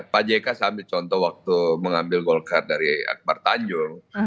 pak jk saya ambil contoh waktu mengambil golkar dari akbar tanjung